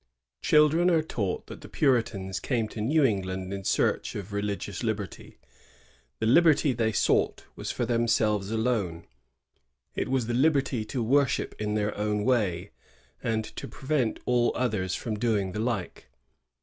Children are taught that the Puritans came to New England in search of religious liberty. The liberty they sought was for themselves alone. It was the liberty to worship in their own way, and to prevent all others from doing the like.